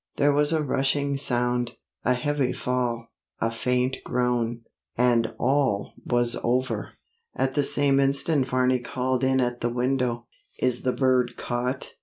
There was a rushing sound, a heavy fall, a faint groan, and all was over! At the same instant Varney called in at the window, 'Is the bird caught?